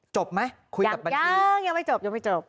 จบไหมคุยกับบัญชียังยังยังไม่จบยังไม่จบ